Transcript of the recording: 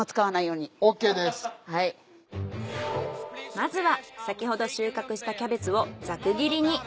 まずは先ほど収穫したキャベツをザク切りに。